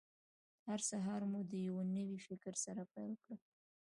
هر سهار مو د یوه نوي فکر سره پیل کړئ.